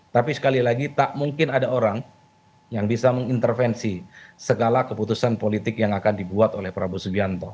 tapi sekali lagi tak mungkin ada orang yang bisa mengintervensi segala keputusan politik yang akan dibuat oleh prabowo subianto